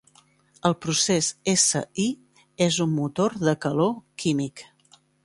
El procés S-I és un motor de calor químic.